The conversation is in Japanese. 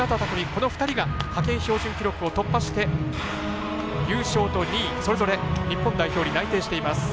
この２人が派遣標準記録を突破して優勝と２位それぞれ日本代表に内定しています。